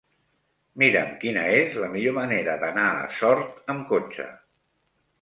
Mira'm quina és la millor manera d'anar a Sort amb cotxe.